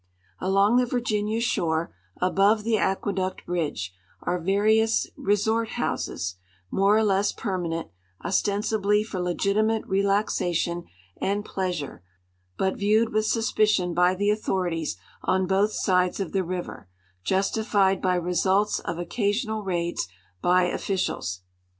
Along the Virginia shore, above the Aqueduct bridge, are va rious " resort houses," more or less permanent, ostensibly for legitimate relaxation and pleasure, but viewed with suspicion by the authorities on both sides of the river, justified by results of occasional raids by officials.